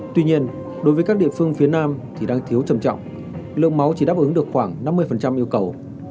tuy nhiên đối với các địa phương phía nam thì đang thiếu trầm trọng lượng máu chỉ đáp ứng được khoảng năm mươi yêu cầu